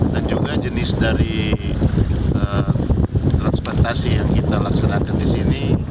dan juga jenis dari transplantasi yang kita laksanakan di sini